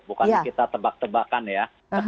bukan kita tebak tebakan ya